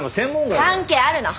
関係あるの。